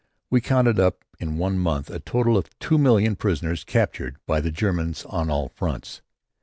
We counted up in one month a total of two million prisoners captured by the Germans on all fronts.